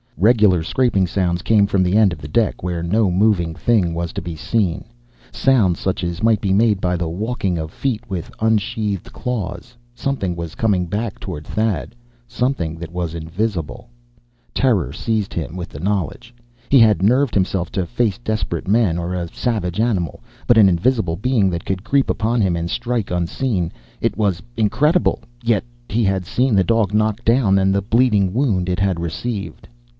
Regular scraping sounds came from the end of the deck, where no moving thing was to be seen sounds such as might be made by the walking of feet with unsheathed claws. Something was coming back toward Thad. Something that was invisible! Terror seized him, with the knowledge. He had nerved himself to face desperate men, or a savage animal. But an invisible being, that could creep upon him and strike unseen! It was incredible ... yet he had seen the dog knocked down, and the bleeding wound it had received.